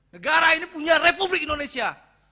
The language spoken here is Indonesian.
negara ini punya republik indonesia